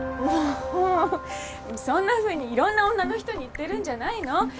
もうそんなふうにいろんな女の人に言ってるんじゃないの？